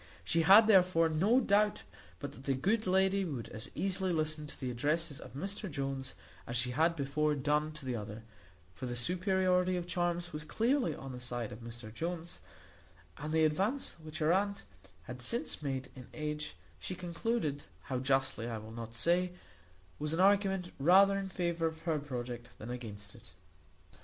She had, therefore, no doubt but that the good lady would as easily listen to the addresses of Mr Jones as she had before done to the other; for the superiority of charms was clearly on the side of Mr Jones; and the advance which her aunt had since made in age, she concluded (how justly I will not say), was an argument rather in favour of her project than against it.